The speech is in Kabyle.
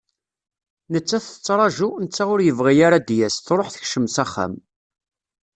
Nettat tettraju, netta ur yebɣi ara ad d-yas, truḥ tekcem s axxam.